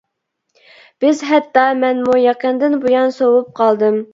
بىز ھەتتا مەنمۇ يېقىندىن بۇيان سوۋۇپ قالدىم.